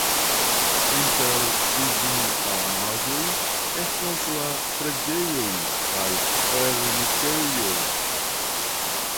Inter vidindaĵoj estas la preĝejoj kaj ermitejo.